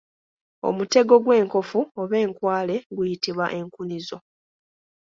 Omutego gw'enkofu oba enkwale guyitibwa enkunizo.